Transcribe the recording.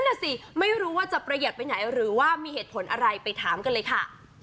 น่ะสิไม่รู้ว่าจะประหยัดไปไหนหรือว่ามีเหตุผลอะไรไปถามกันเลยค่ะ